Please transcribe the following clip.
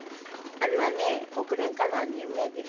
あれはね、国連からの任命です。